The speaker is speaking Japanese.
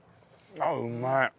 あっうまい。